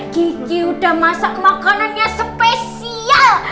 gigi udah masak makanannya spesial